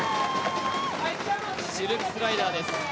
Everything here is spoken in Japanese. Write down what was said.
シルクスライダーです。